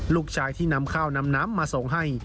ลูกชายที่นำข้าวนำน้ำมาส่งให้